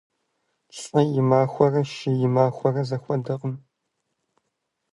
ЛӀы и махуэрэ шы и махуэрэ зэхуэдэкъым.